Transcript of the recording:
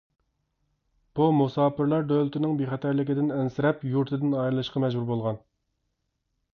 بۇ مۇساپىرلار دۆلىتىنىڭ بىخەتەرلىكىدىن ئەنسىرەپ، يۇرتىدىن ئايرىلىشقا مەجبۇر بولغان.